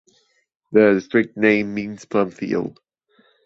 The district's name means "plum field".